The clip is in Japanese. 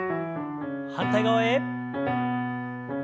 反対側へ。